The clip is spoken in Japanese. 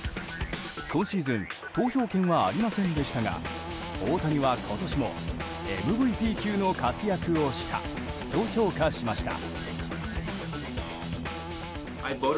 今シーズン投票権はありませんでしたが大谷は今年もＭＶＰ級の活躍をしたと評価しました。